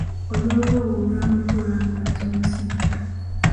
Oluwewowewo olwamuliko lwamulwaaza omusujja.